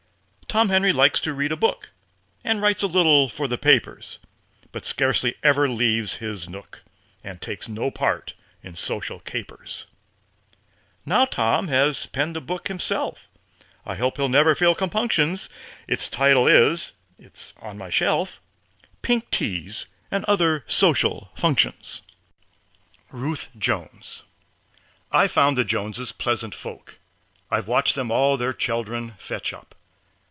Tom Henry likes to read a book, And writes a little for the papers, But scarcely ever leaves his nook, And takes no part in social capers. Now Tom has penned a book himself. I hope he'll never feel compunctions! Its title is it's on my shelf "Pink Teas and Other Social Functions." RUTH JONES I've found the Joneses pleasant folk I've watched them all their children fetch up.